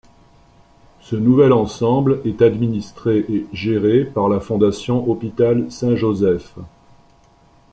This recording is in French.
Ce nouvel ensemble est administré et géré par la Fondation hôpital Saint-Joseph.